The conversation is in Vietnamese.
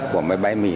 của máy bay mỹ